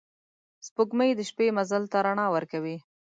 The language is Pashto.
سپوږمۍ د شپې مزل ته رڼا ورکوي